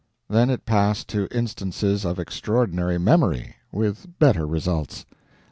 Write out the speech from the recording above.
Then it passed to instances of extraordinary memory with better results.